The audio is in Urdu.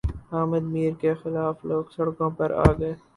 حامد میر کے خلاف لوگ سڑکوں پر آگۓ